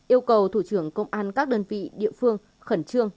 yêu cầu thủ trưởng công an các đơn vị địa phương khẩn trương